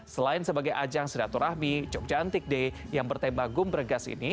selain sebagai ajang sedaturahmi jogjantik day yang bertema gumpregas ini